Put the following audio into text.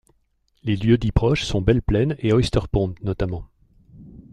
Les lieux-dits proches sont Belle-plaine et Oyster-Pond notamment.